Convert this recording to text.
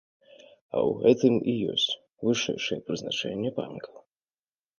А ў гэтым і ёсць вышэйшае прызначэнне панкаў!